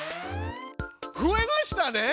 増えましたね！